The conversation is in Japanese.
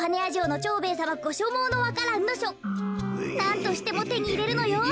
なんとしてもてにいれるのよ。